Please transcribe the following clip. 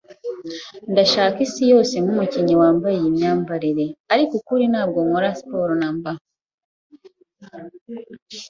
Ndashaka isi yose nkumukinnyi wambaye iyi myambarire, ariko ukuri ntabwo nkora siporo namba.